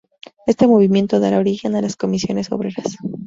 Este movimiento dará origen a las Comisiones Obreras.